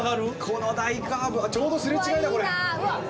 この大カーブがちょうどすれ違いだこれ。